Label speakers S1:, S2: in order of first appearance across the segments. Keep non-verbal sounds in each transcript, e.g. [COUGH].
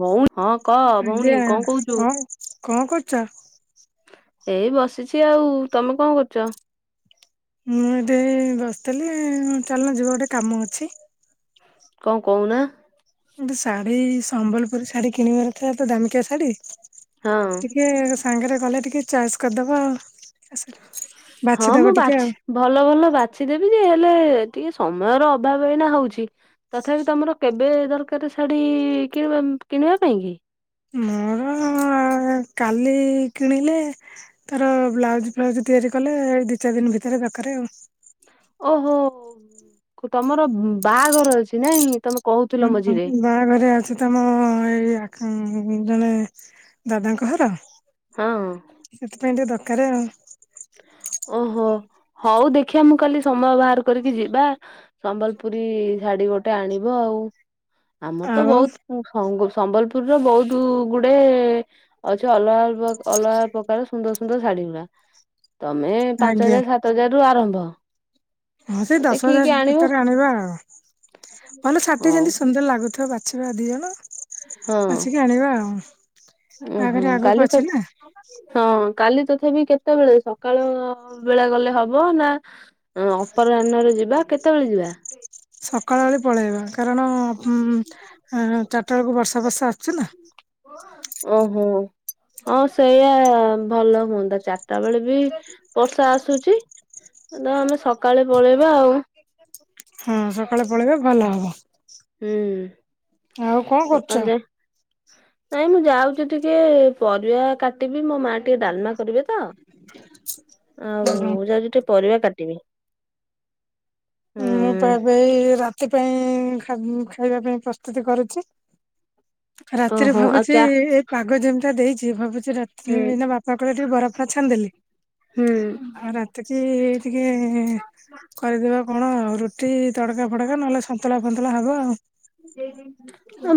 S1: ଭଉଣୀ ହଁ କହ ଭଉଣୀ କଣ କହୁଛୁ
S2: ଆଚଛା
S1: ଏଇ ବସିଛି ଆଉ ତମେ କଣ କରୁଛ
S2: ମୁଁ ଏଠି ବସିଥିଲି ଚାଲନା ଯିବ ଗୋଟେ କାମ ଅଛି
S1: କଣ କହୁନା
S2: େ ଶାଢୀ ସମ୍ବଲପୁରୀ ଶାଢୀ କିଣିବାର ଥିଲା ତ ଦାମିକିଆ ଶାଢୀ
S1: ହଁ
S2: ଟିକେ ସାଙ୍ଗରେ ଗଲେ ଟିକିେ ଚଏସ୍ କରିଦେବା ଆଉ
S1: ହଁ,
S2: ବାଛିଦବ
S1: ମୁଁ
S2: ଟିକେ
S1: ବାଛ୍
S2: ଆଉ
S1: ଭଲ ଭଲ ବାଛିଦେବି ଯେ ଲେ ଟିକେ ସମୟର ଅଭାବ ଏଇନା ହଉଛି। ତଥାପି, ତମର କେବେ ଦରକାର ଶାଢୀ କି-କିଣିବା ପାଇଁ କି?
S2: ମୋର କାଲି କିଣିଲେ, ତର ବ୍ଲାଉଜ ଫ୍ଲାଉଜ ତିଆରି କଲେ ଏଇ ଦି ଚାରି ଦିନ ଭିତରେ ଦକାରେ ଆଉ।
S1: ଓହୋ! ଓ ତମର ବାଆ ଘର ଅଛି ନାଇଁ। ତମେ କହୁଥିଲ
S2: ହୁଁ,
S1: ମଝିରେ
S2: ହୁଁ ବାହାଘରେ ଅଛି ତମ, ଏଇ ଆକଂ ଜଣେ ଦାଦାଙ୍କ ଘର,
S1: ହଁ।
S2: ସେଥିପାଇଁ ଟିକ ଦଖ କାରେ ଆଉ।
S1: ଓହୋ! ହଉ ଦେଖିବା ମୁଁ କାଲି ସମୟ ବାହାର କରିକି ଯିବା। ସମ୍ବଲପୁରୀ ଶାଢୀ ଗୋଟେ ଆଣିବ ଆଉ। ଆମର
S2: ଆଉ।
S1: ତ
S2: ଆଉ
S1: ବହୁତ୍ ଫଙ୍ଗୁସ। ସମ୍ବଲପୁରୀ ର ବହୁତୁ ଗୁଡେ ଅଛି, ଅଲଗା ଅଲ-ଅଲଗା ପ୍ରକାର ସୁନ୍ଦର ସୁନ୍ଦର ଶାଢୀ ଗୁଡା। ତମେ ପାଞ୍ଚ
S2: ଆଜ୍ଞା
S1: ହଜାର ସାତ ହଜାର ରୁ ଆରମ୍ଭ।
S2: ହଁ ସେଇ ଦଶ
S1: ଦେଖିକି
S2: ହଜାର
S1: ଆଣିବ
S2: ଭିତରେ ଆଣିବା ଆଉ। ଭଲ ଶାଢ଼ୀଟେ
S1: ହଉ
S2: ଯେମିତି ସୁନ୍ଦର ଲାଗୁଥିବ, ବା ଛୁଆ ଦି ଅଣ। ଅଛିିକି ଆଣିବା ଆଉ।
S1: ଓ ହୋ
S2: ବାହାଘର ଆଗକୁ
S1: କାଲି ତ
S2: ଅଛି ନା
S1: ହଁ। କାଲି ତଥାପି, କେତେବେଳେ ସକାଳ ବେଳେ ଗଲେ ହବ ନା? ହ ଅପରାହ୍ନରେ ଯିବା। କେତେବେଳେ ଯିବା?
S2: ସକାଳ ବେଳେ ପଳେଇବା। କାରଣ ଉଁମ ଚାରିଟା ବେଳକୁ ବର୍ଷା ବର୍ଷା ଆସୁଛିୁ ନା।
S1: ଓହୋ! ହଁ ସେଇୟଆ ଭଲ ହୁଅନ୍ତା, ଚାରିଟା ବେଳେ ବି ବର୍ଷା ଆସୁଛି! ତ ଆମେ ସକାଳେ ପଳେଇବା ଆଉ।
S2: ହଁ ସକାଳେ ପଳେଇବା ଭଲ ହବ।
S1: ହୁଁ
S2: ଆଉ କଣ
S1: ସକାଳେ
S2: କରୁଛ?
S1: ଯାଏ ନାଇଁ, ମୁଁ ଯାଉଛି ଟିକେ, ପରିବା କାଟିବି ମୋ, ମାଁ ଟିକେ ଡାଲମା କରିବେ ତ? ଆଉ ଯଦି ତୁ ପରିବା କାଟିବି।
S2: ମୁଁ ପା
S1: ହୁଁ
S2: ଏବେଇ ରାତି ପାଇଁ ଖାଇବା ପାଇଁ ପ୍ରସ୍ତୁତି କରୁଛି। ରାତିରେ
S1: ଓହୋ ଆଉ
S2: ଭାବୁଛି
S1: ଚା
S2: ଏପା ଗ ଯେମିତା ଦେଇଛି ଭାବୁ ସେ ରାତି
S1: ହୁଁ
S2: ଦିଦି ଦିନ ବାପା କଲେ ଟିକେ ବରା ବାଛନ୍ତୀନି।
S1: ହୁଁ।
S2: ଆଉ ରାତି କି-ଇ ଟିକେ କରିଦେବା। କଣ ରୁଟି ତଡକା ଫଡକା ନହେଲେ ସନ୍ତୁଳା ଫନ୍ତୁ [UNINTELLIGIBLE]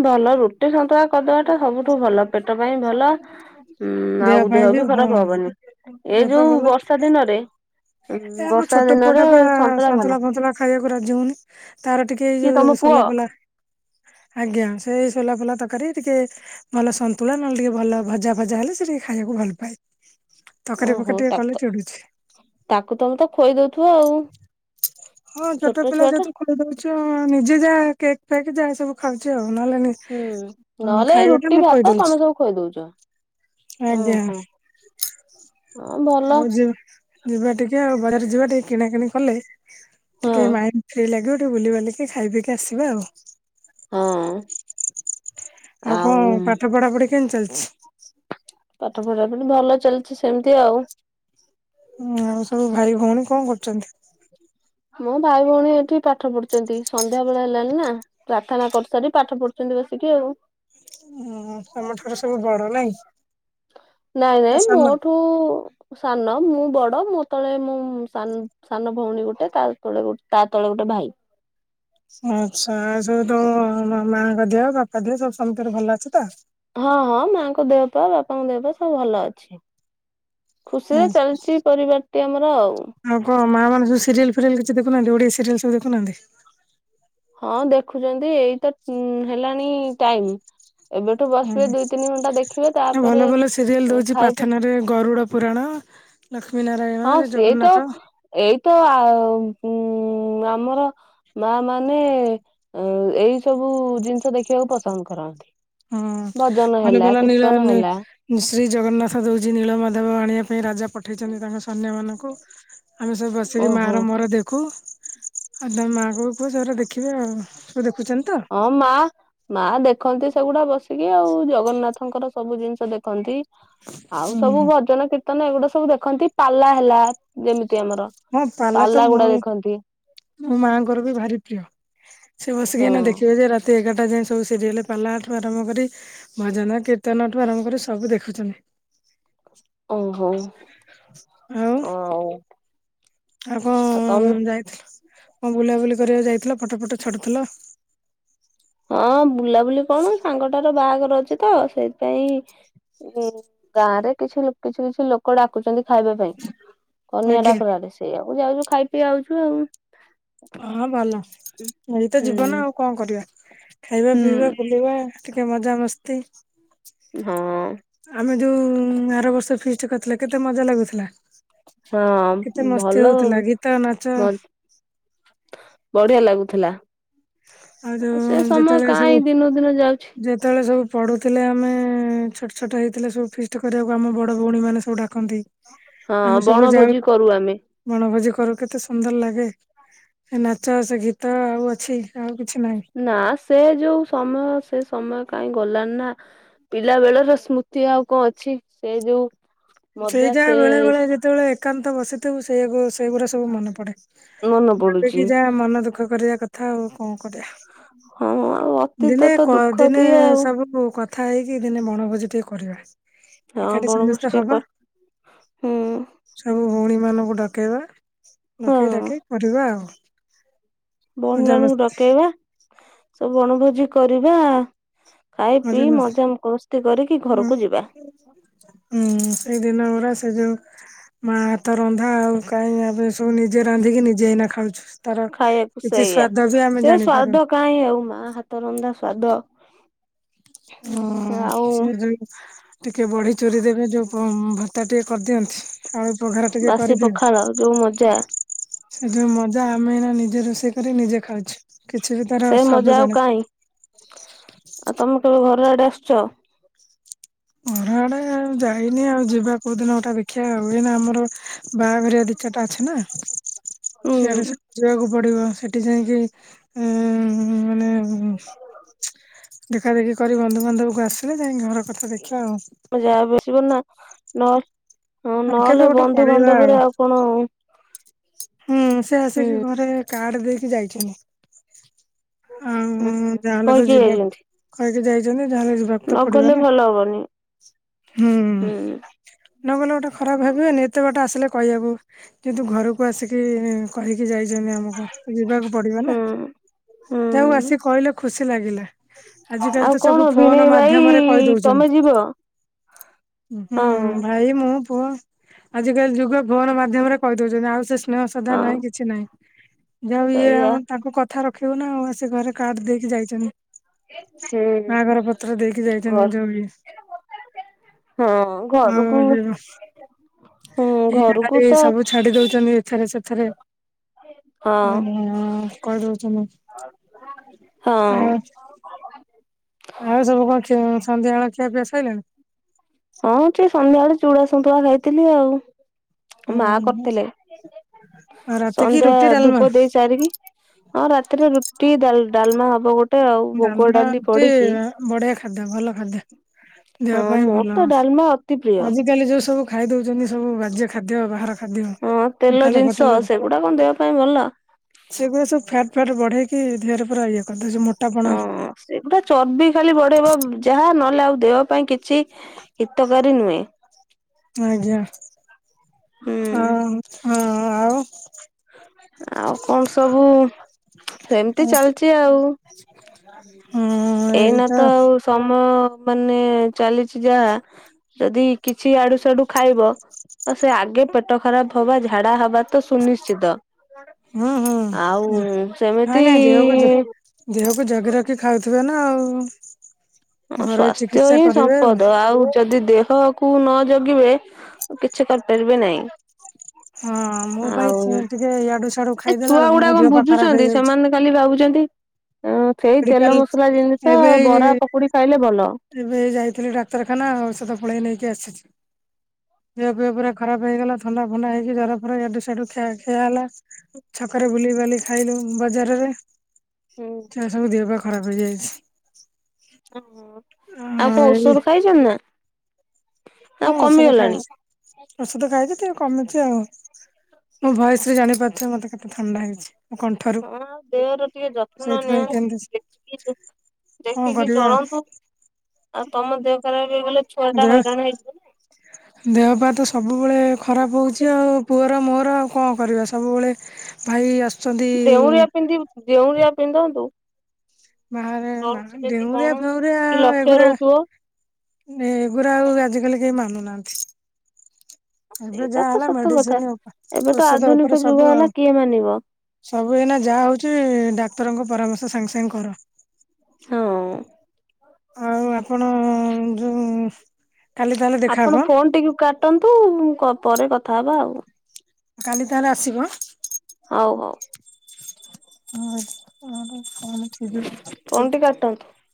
S1: ଭଲ ରୁ ରୁଟି ସନ୍ତୁଳା କଦୁବା ଟା ସବୁଠୁ ଭଲ ପେଟ ପାଇଁ ଭଲ। ହୁଁ ଆଉ ଦେହ ବି ଖରାପ ହବନି
S2: ଦେହ
S1: ଏ
S2: ପାଇଁ
S1: ଯୋଉ
S2: ଭଲ
S1: ବର୍ଷା ଦିନରେ ଉଁ
S2: ଏ ଆମ
S1: ବର୍ଷା
S2: ଛୋଟ ପୁଅ
S1: ଦିନରେ
S2: ଟା ବା
S1: ସନ୍ତୁଳା ଭଲ
S2: ସନ୍ତୁଲା ଫନ୍ତୁଲା ଖାଇବାକୁ ରାଜି ହଉନି। ତାର ଟିକେ ଏଇ
S1: କିଏ ତମ
S2: ଯୋଉ
S1: ପୁଅ
S2: ସୋଲାପୋଲା ଆଜ୍ଞା ସେଇ ସୋଲା ଫୁଲା ତରକାରୀ ଟିକେ ଭଲ ସନ୍ତୁଳନ ହେଲେ ଟିକେ ଭଲ ଭଜା ଫଜା ହେଲେ ସେ ଟିକେ ଖାଇବାକୁ ଭଲ ପାଏ। ତରକାରୀ
S1: ଓହୋ
S2: ଫକାରି ଟେ
S1: ତାକୁ
S2: କଲେ
S1: ତ
S2: ଚିଡୁଛି।
S1: ତାକୁ ତମେ ତ ଖୁଇଦଉଥିବ ଆଉ।
S2: ହଁ ଛୋଟ ପିଲା
S1: ଛୁଆ ଟା
S2: ଯେହେତୁ ଖୁଆଇଦଉଛି ଆଉ ନିଜେ ଯାହା କେକ୍ ଫେକ୍ ଯାହା ସବୁ ଖାଉଛି ଆଉ। ନହେଲେ
S1: ହୁଁ
S2: ହଁ
S1: ନହେଲେ ଏଇ
S2: ଖାଇବାଟା
S1: ରୁଟି
S2: ମୁଁ
S1: ଭାତ
S2: ଖୋଇଦଉଛି
S1: ତମେ ସବୁ ଖୁଆଇଦଉଛ ଉଁ
S2: ଆଜ୍ଞା
S1: ହଁ ହ ଭଲ।
S2: ଆଉ ଯିବା ଟିକେ ଆଉ ବଜାର ଯିବା ଟିକେ କିଣା କିିଣି କଲେ
S1: ହଁ
S2: ଟିକେ ମାଇଣ୍ଡ ଫ୍ରି ଲାଗିବ। ବୁଲିିବାଲିକି ଖାଇ ପିକି ଆସିବା ଆଉ।
S1: ହଁ।
S2: ଆଉ କଣ ପାଠ ପଢା ପଢି। କେନ ଚାଲିଛି।
S1: ପାଠ ପଢା ମାନେ ଭଲ ଚାଲିଛି ସେମିତି ଆଉ।
S2: ହ ଆଉ ସବୁ ଭାଇ ଭଉଣୀ କଣ କରୁଛନ୍ତି?
S1: ମୋ ଭାଇ ଭଉଣୀ ଏଠି ପାଠ ପଢୁଛନ୍ତି ସନ୍ଧ୍ୟା ବେଳେ ହେଲାଣିି ନା ପ୍ରାର୍ଥନା କରିସାରି ପାଠ ପଢୁଛନ୍ତି ବସିକି ଆଉ।
S2: ଉଁ ତମ ଠାରୁ ସବୁ ବଡ ନାଇଁ
S1: ନାଇଁ
S2: ନା
S1: ନାଇଁ
S2: ସାନ?
S1: ମୋଠୁ ସାନ ମୁଁ ବଡ। ମୁଁ ତଳେ ମୁଁ ସାନ ଭଉଣୀ ଗୋଟେ ତା ତଳେ ଗୋଟେ ତା ତଳେ ଗୋଟେ ଭାଇ।
S2: ଆଛା ଏ ସବୁ ତମ ମା ଙ୍କ ଦେହ? [UNINTELLIGIBLE] ତ ତରେ ଭଲ ଅଛ ତ?
S1: ତାଙ୍କ ଦେହ ପା ବାପାଙ୍କ ଦେହପା ସବୁ ଭଲ ଅଛି। ଖୁସିରେ
S2: ହୁଁ
S1: ଚାଲିଛି ପରିବାରଟି ଆମର ଆଉ।
S2: ଛି ଦେଖୁନାହାନ୍ତି ଓଡିଆ ସିରିଆଲ ସବୁ ଦେଖୁନାହାନ୍ତି?
S1: ହଁ ଦେଖୁଛନ୍ତି ଏଇ ତ ହେଲାଣି ଟାଇମ। ଏବେଠୁ
S2: ହୁଁ
S1: ବସିବେ ଦୁଇ ତିନି ଘଣ୍ଟା ଦେଖିବେ
S2: ନା
S1: ତାପରେ
S2: ଭଲ ଭଲ ସିରିଏଲ
S1: ଏ,
S2: ଦଉଛି
S1: ଖାଇବେ
S2: ପାର୍ଥନା ରେ ଗରୁଡ ପୁରାଣ ଲ
S1: ହଁ ସିଏ ତ ଏଇତ ଆ ଉଁ ଆମର ମା ମାନେ ଏଇ ସବୁ ଜିନିଷ ଦେଖିବାକୁ ପସନ୍ଦ କରନ୍ତି।
S2: ହୁଁ
S1: ଭଜନ
S2: ମନେ
S1: ହେଲା
S2: ଗଲା ନୀଳ
S1: କୀର୍ତ୍ତନ ହେଲା
S2: ଶ୍ରୀ ଜଗନ୍ନାଥ ଦଉଛି ନୀଳ ମାଧବ ଆଣିବା ସେଇ ରାଜା ପଠେଇଛନ୍ତି ତାଙ୍କ ସୈନ୍ୟ ମାନଙ୍କୁ ଆମେ ସବୁ ବସିକି ମା
S1: ଓହୋ
S2: ର ମୋର ଦେଖୁ। ଆଉ ତମ ମାକୁ ବି କୁହ ସ ଦେଖ ଦେଖିବେ ଆଉ ସବୁ ଦେଖୁଛନ୍ତି ତ
S1: ହଁ ମା ମା ଦେଖନ୍ତି ସେଗୁଡା ବସିକି ଆଉ ଜଗନ୍ନାଥଙ୍କର ସବୁ ଜିନିଷ ଦେଖନ୍ତି। ଆଉ ସବୁ
S2: ହୁଁ
S1: ଭଜନ କୀର୍ତ୍ତନ ଏଗୁଡା ସ ସବୁ ଦେଖନ୍ତି ପାଲା ହେଲା, ଯେମତି
S2: ହଁ ପାଲା ତ ମୋ, ମୋ ମାଙ୍କର ବି ଭାରି ପ୍ରିୟ। ସେ ବସିକି ନା
S1: ହଁ
S2: ଦେଖିବେ ଯେ ରାତି ଏଗାରଟା ଯାଏ। ସବୁ ସିରିଏଲ ପାଲାଠୁ ଆରମ୍ଭ କରି ଭଜନ, କୀର୍ତ୍ତନଠୁ ଆରମ୍ଭ କରି ସବୁ ଦେଖୁଛନ୍ତି।
S1: ଓହୋ
S2: ଆଉ
S1: ଓ।
S2: ଆଉ କଣ ଯାଇଥିଲୁ? କଣ ବୁଲାବୁଲି କରିବାକୁ ଯାଇ ଫଟ ଫଟ ଛାଡୁଥିଲ?
S1: ହଁ ବୁଲାବୁଲି କଣ ସାଙ୍ଗଟାର ବାହାଘର ଅଛି ତ, ସେଇଥିପାଇଁ ଉ ଗାଁ ରେ କିଛି କିଛି କିଛି ଲୋକ ଡାକୁଛନ୍ତି ଖାଇବା ପାଇଁ।
S2: ଆଜ୍ଞା
S1: କନ୍ୟାଡାକରାରେ ସେଇଆକୁ ଯାଉଛି ଖାଇ ପିଇ ଆଉଛୁ ଆଉ
S2: ହଁ ଭଲ ଏଇ ତ
S1: ହୁଁ।
S2: ଜୀବନ ଆଉ କଣ କରିବା? ଖାଇବା, ପିଇବା,
S1: ହୁଁ।
S2: ବୁଲିବା। ଟିକେ ମଜା ମସ୍ତି।
S1: ହଁ।
S2: ଆମେ ଯୋଉ ଆର ବର୍ଷ ଫିଷ୍ଟ କରିଥିଲେ। କେତେ ମଜା ଲାଗୁଥିଲା?
S1: ହଁ
S2: କେତେ ମସ୍ତି
S1: ଭଲ ଆଉ
S2: ହଉଥିଲା ଗୀତ ନାଚ
S1: ବଢିଆ ଲାଗୁଥିଲା। ତା।
S2: ଆଉ ଯୋଉ ଯେତେବେଳେ ସବୁ
S1: ଦିନକୁ ଦିନ ଯାଉଛି
S2: ଯେତେବେଳେ ସବୁ ପଢୁଥିଲେ ଆମେ ଛୋଟ ଛୋଟ ହେଇଥିଲେ। ସବୁ ଫିଷ୍ଟ କରିବାକୁ ଆମ ବଡ଼ ଭଉଣୀମାନେ ସବୁ ଡାକୁ ଡାକନ୍ତି।
S1: ହଁ
S2: ଆମେ ସବୁ ଯାଉ
S1: ବଣଭୋଜି କରୁ ଆମେ।
S2: ବଣଭୋଜି କ କରୁ କେତେ ସୁନ୍ଦର ଲାଗେ। ସେ ନାଚ ସେ ଗୀତ ଆଉ ଅଛି? ଆଉ ଗୀ
S1: ନା ସେ ଯୋଉ ସମୟ ସେ ସମୟ କାହିଁ ଗଲାଣି ନା ପିଲା ବେଳର ସ୍ମୃତି ଆଉ କଣ ଅଛି। ସେ ଯୋଉ
S2: ସେଇ
S1: ମଜା
S2: ଯା ବେଳେ
S1: ସେ
S2: ବେଳେ ଯେତେବେଳେ ଏକାନ୍ତ ତ ବସିଥିବ ସେ ସେଗୁଡ଼ା ସବୁ ମନେ ପଡ଼େ।
S1: ମନେ
S2: ଯବେ
S1: ପଡୁଛି
S2: କିି ଯାହା ମନ ଦୁଃଖ କରିବା କ କଥା ହଉ କଣ କରିବା
S1: ହଁ ଆଉ ଅତୀତ
S2: ଦିନେ
S1: ତ ଦୁଃଖ
S2: ଦିନେ
S1: ଦିଏ ଆଉ
S2: ସବୁ କ କଥା ହେଇକି ଦିନେ ବଣଭୋଜି ଟିକେ କରିବା।
S1: ହଁ
S2: ଏକାଠି ସମସ୍ତେ
S1: ବଣଭୋଜି ଟେ
S2: ହବା
S1: କର
S2: ସବୁ ଭଉଣୀ ମାନଙ୍କୁ ଡକେଇବା।
S1: ହଁ
S2: ଡକେଇ ଡାକେଇ କରିବା ଆଉ।
S1: ଭଉଣୀ ମାନଙ୍କୁ
S2: ମଜାମସ୍ତି
S1: ଡକେଇବା ସବୁ ବଣଭୋଜି କରିବା ଖାଇ ପିଇ
S2: ମଜାମସ୍ତି
S1: ମଜା ମସ୍ତି କରିକି
S2: ହୁଁ
S1: ଘରକୁ ଯିବା।
S2: ହୁଁ ସେଇ ଦିନ ଗୁରା ସେ ଯୋଉ ମା ହାତ ରନ୍ଧା ଆଉ କାହିଁ ଆମ ସବୁ ନିଜେ ରାନ୍ଧିକି ନିଜେ ଏଇନା ଖାଉଛୁ। ତାର
S1: ଖାଇବାକୁ
S2: କିଛି
S1: ସେଇଆ
S2: ସ୍ଵାଦ ବି ଆମେ
S1: ସେ
S2: ଜାଣିପାରୁନୁ।
S1: ସ୍ଵାଦ କାଇଁ ଆଉ ମା ହାତ ରନ୍ଧା ସ୍ଵାଦ
S2: ହଁ
S1: ଆଉ
S2: ସେ ଯୋଉ ଟିକେ ବଡି ଚୁରି ଦେବେ ଯୋଉ ପ ଭର୍ତ୍ତା ଟିକେ କରିଦିଅନ୍ତି। ଆଳୁ ପଘାରା ଟିକେ
S1: ବାସି
S2: କରିଦେବେ
S1: ପଖାଳ ଯୋଉ ମଜା
S2: ସେ ଯୋଉ ମଜା ଆମେ ଏଇନା ନି ନିଜେ ରୋଷେଇ କରି ନିଜେ ଖାଉଛୁ। କିଛି ବି ତାର
S1: ସେ
S2: ସ୍ୱାଦ
S1: ମଜା ଆଉ
S2: ଜାଣି
S1: କାଇଁ ଆଉ ତମେ କେବେ ଘର ଆଡେ ଆସୁଚ?
S2: ଘର ଆଡେ ଯାଇନି ଆଉ ଯିବା କୋଉଦିନ ଗୋଟେ ଦେଖିବା ଆଉ ଏଇନା ଆମର ବାହାଘରିଆ ଦି ଚାରିଟା ଅଛି ନା
S1: ହୁଁ
S2: ସିଆଡେ ସେଠୁ ଯିବାକୁ ପଡ଼ିବ ସେଠି ଯାଇକି ଉଁ ମାନେ ହୁଁ [UNINTELLIGIBLE] ଦେଖା ଦେଖି କରି ବନ୍ଧୁବାନ୍ଧବକୁ ଆସିଲେ ଯାଇକି ଘର କଥା ଦେଖି
S1: ତମ ଯା ବି ଆସିବ ନା ନ ହଁ
S2: କେବେ
S1: ନହେଲେ
S2: ଗୋଟେ ପଳେଇବା
S1: ବନ୍ଧୁବାନ୍ଧବରେ ଆଉ କଣ
S2: [INAUDIBLE] ହୁଁ ସେ ଆସିକି ଘରେ
S1: ହୁଁ
S2: କାର୍ଡ ଦେଇ ଯାଇଚ
S1: ହୁଁ କହିକି ଯାଇଚନ୍ତି।
S2: କହିକି ଯାଇଛନ୍ତି ଯାହାହେଲେ ଯିବାକୁ ତ ପଡିବ ନା ହୁଁ। ନ ଗଲେ ଗୋଟେ ଖରାପ ଭାବିବେନି ଏତେ ବାଟେ ଆସିଲେ କହିବାକୁ ଯେହେତୁ ଘରୁ କୁ ଆସିକି କହିକି ଯାଇ ଚନ୍ତି ଆମୁକୁ ଯିବାକୁ ପଡିବ ନା
S1: ହୁଁ
S2: ଯାହାହେଉ
S1: ହୁଁ
S2: ଆସିକି କହିଲେ ଖୁସି ଲାଗିଲା। ଆଜିିକାଲି
S1: ଆଉ
S2: ତ
S1: କଣ
S2: ସବୁ ଫୋନ୍
S1: ଭିଣେଇ ଭାଇ
S2: ମାଧ୍ୟମରେ କହି
S1: ତମେ
S2: ଦଉଚନ୍ତି।
S1: ଯିବ? ହଁ
S2: ହୁଁ ଭାଇ ମୁଁ। ପୁଅ ଆଜିକାଲି ଯୁଗ ଫୋନ୍ ମାଧ୍ୟମରେ କହି ଦେଉଛନ୍ତି। ଆଉ ସେ ସ୍ନେହ ଶ୍ରଦ୍ଧା ନାହିଁ
S1: ହଁ
S2: କିଛି ନାହିଁ ଯାହା ହଉ ଇଏ
S1: ସେଇଆ।
S2: ଆମ ତାଙ୍କୁ କଥା ର ରଖିବୁନା ଆଉ ସେ ଘରେ କାର୍ଡ ଦେଇକି ଯାଇଚନ୍ତି।
S1: ହୁଁ
S2: ବାହାଘର ପତ୍ର ଦେଇକି ଯାଇଚନ୍ତି
S1: ଘର
S2: ଯୋଉ ଇଏ।
S1: ହଁ ଘରକୁ
S2: [UNINTELLIGIBLE]
S1: ହୁଁ
S2: ଏଇନା
S1: ଘରକୁ
S2: ଖାଲି
S1: ତ
S2: ସବୁ ଛାଡ଼ି ଦେଉଚନ୍ତି। ସେଥିରେ ସେଥିରେ
S1: ହଁ।
S2: [UNINTELLIGIBLE] କହି ଦଉଚନ୍ତି
S1: ହଁ
S2: ମୁଁ ଆଉେ ସବୁ କଣ ସନ୍ଧ୍ୟା ବେଳ ଖିଆ ପିଆ ସଇଲାଣି?
S1: ହଁ ସେ ସନ୍ଧ୍ୟା ବେଳେ ଚୁଡ଼ା ସନ୍ତୁଳା ଖାଇଥିଲି ଆଉ ମା
S2: ହୁଁ
S1: କରିଥିଲେ
S2: ଆଉ ରାତି କି
S1: ସନ୍ଧ୍ୟା
S2: ରୁଟି ଡାଲମା
S1: ଧୂପ ଦେଇ ସାରିକି ଆଉ ରାତିରେ ରୁ ରୁଟି ଡା-ଡାଲମା ହବ ଗୋ
S2: ଡାଲମା ଗୋଟେ ବଢିଆ ଖାଦ୍ଯ ଭଲ ଖାଦ୍ୟ
S1: ହଁ
S2: ଦେହ ପାଇଁ
S1: ମୋର
S2: ଭଲ।
S1: ତ ଡାଲମା ଅତି ପ୍ରିୟ
S2: ଆଜିକାଲି ଯୋଉ ସବୁ ଖାଇ ଦଉଚନ୍ତି ସବୁ ବାଜ୍ୟ ଖାଦ୍ୟ ବାହାର ଖାଦ୍ୟ
S1: ହଁ ତେଲ
S2: ହୋଟେଲ୍
S1: ଜିନିଷ
S2: ଫୋଟେଲ୍ ରୁ
S1: ସେଗୁଡା କଣ ଦେହ ପାଇଁ ଭଲ।
S2: ସେଗୁଡା ସବୁ ଫ୍ୟାଟ୍ ଫ୍ୟାଟ୍ ବଢ଼େ ଇ ଦେହରେ ପୁରା ଇଏ କରିଦେଉଚି ମ
S1: ହଁ ସେଗୁଡା ଚର୍ବି ଖାଲି ବଢ଼େଇ ବ ଯାହା ନ ହେଲେ ଆଉ ଦେହ ପାଇଁ କିଛି ହିତକାରୀ ନୁହେଁ।
S2: ଆଜ୍ଞା
S1: ହୁଁ
S2: ଆଉ ହଁ ଆଉ
S1: ଆଉ କଣ ସବୁ ସେମିତି ଚାଲିଚି ଆଉ
S2: ହଁ
S1: ଏଇନା
S2: ଏଇତ
S1: ତ ଆଉ ସମୟ ମାନେ ଚାଲିଚି ଯାହା ଯଦି କିଛି ଆଡୁ ସାଡୁ ଖାଇବ ତ ସେ ଆଗେ ପେଟ ଖରାପ ହବା ଝାଡା ହବା ତ ସୁନିଶ୍ଚିତ।
S2: ହୁଁ ହୁଁ
S1: ଆଉ
S2: ନାଇଁ
S1: ସେମିତି
S2: ନାଇଁ ଦେହକୁ ଜ ଦେହକୁ ଜଗି ରଖି ଖାଉ ଥିବ ନାଁ ଆଉ
S1: ହ
S2: ଘରୋଇ
S1: ସ୍ଵାସ୍ଥ୍ୟ
S2: ଚିକିତ୍ସା
S1: ହିଁ
S2: କରିବେ
S1: ସମ୍ପଦ ଆଉ ଯଦି ଦେହ କୁ ନ ଜଗିବେ କିଛି କରିପାରିବେ ନାହିଁ
S2: ହଁ ମୁଁ ବା
S1: ଆଉ
S2: ଟିକେ ୟାଡୁ ସାଡୁ
S1: ଏ
S2: ଖାଇଦେଲା
S1: ଛୁଆ
S2: ବେଳକୁ,
S1: ଗୁଡା
S2: ମୋ
S1: କଣ
S2: ଦେହ ପା ଖରାପ ହେଇଯାଉଛି।
S1: ହ ସେଇ ତେଲ
S2: ମେଡିକାଲ
S1: ମସଲା ଜିନିଷ
S2: ଏବେ
S1: ବରା, ପକ
S2: ଏବେ ଯାଇଥିଲି ଡାକ୍ତରଖାନା, ଔଷଧ ପୁଳାଇ ନେଇକି ଆସିଛି। ଦିହ ପିହ ପୁରା ଖରାପ ହେଇଗଲା, ଥଣ୍ଡା ଫଣ୍ଡା ହେଇକି ଜର ଫର ୟାଡୁ ସ୍ୟାଡୁ ଖିଆହେଲା।
S1: ହୁଁ
S2: ଛକରେ ବୁଲେଇ ବାଲେ ଖାଇଲୁ ବଜାରରେ
S1: ହୁଁ
S2: ମୋ ଦେହ ବା ଖରାପ ହେଇଯାଇଛି।
S1: ଓହ ଆଉ କଣ ଔଷଧ ଖାଇଛନ୍ତି ନା? ଆଉ
S2: ହଁ ଔଷଧ
S1: କମିଗଲାଣି?
S2: ଖାଇଛି। ଓଷଧ ଖାଇଛି ଟିକେ କମିଛି ଆଉ, ମୋ ଭଏସରୁ ଜାଣିପାରୁଥିବ ମତେ କେତେ ଥଣ୍ଡା ହେଇଛି। ମୋ କଣ୍ଠରୁ
S1: ହଁ ଦେହର ଟିକେ ଯତ୍ନ ନିଅ।
S2: ସେଇଥିପାଇଁ କେମିତି
S1: ଦେଖିକି
S2: କଣ
S1: ଦେଖିକି
S2: କରିବା
S1: ଚଳନ୍ତୁ ଆଉ ତମ ଦେ [UNINTELLIGIBLE]
S2: ଦେହ ଦେହ ପାହା ତ ସବୁବେଳେ ଖରାପ ହଉଛି ଆଉ ପୁଅ ମୋର ଆଉ କଣ କରିବା ସବୁବେଳେ ଭାଇ ଆସୁ
S1: ଡେଉଁରିଆ ପିନ୍ଧିବ ଡେଉଁରିଆ ପିନ୍ଧନ୍ତୁ।
S2: ବାହାରେ ନା
S1: ଡରୁଥିବେ କି କଣ।
S2: ଡେଉଁରିଆ ଫେଉଁରିଆ
S1: କି
S2: ଆଉ
S1: ଲକ୍ଷ୍ୟ
S2: ଏଗୁରା
S1: ରହୁଥିବ
S2: ଏଗୁରା ଆଉ ଆଜିକାଲି କେହି ମାନୁନାହାନ୍ତି। ଏବେ
S1: ସେଇଟା
S2: ଯାହା
S1: ତ
S2: ହେଲା
S1: ସତ କଥା।
S2: ମେଡିସିନ
S1: ଏବେ ତ
S2: ଔଷଧ
S1: ଆଧୁନିକ
S2: ଉପରେ
S1: ଯୁଗ
S2: ସବୁ
S1: ହେଲା
S2: ଆଉ,
S1: କିଏ ମାନିବ
S2: ସବୁ ଏଇନା ଯାହା ହଉଛି ଡାକ୍ତରଙ୍କ ପରାମର୍ଶ। ସାଙ୍ଗେ ସାଙ୍ଗେ କର।
S1: ହଁ।
S2: ଆଉ ଆପଣ ଯୋଉ କାଲି ତାହେଲେ ଦେଖାହବ।
S1: ଆପଣ ଫୋନ୍ ଟିକେ କାଟନ୍ତୁ। ମୁଁ କର ପରେ କଥା ହବା ଆଉ।
S2: କାଲି ତାହେଲେ ଆସିବ ଆଁ।
S1: ହଉ ହଉ।
S2: ହୁଁ।
S1: ଫୋନ ଟି କାଟନ୍ତୁ।
S2: [UNINTELLIGIBLE]